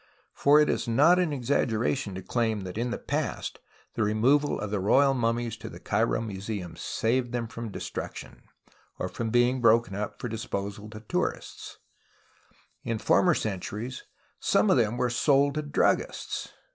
For it is not an exag geration to claim that in the past the removal of the royal mummies to the Cairo Museum saved them from destruction, or from being broken up for disposal to tourists, as in former centuries some of them were sold to druggists.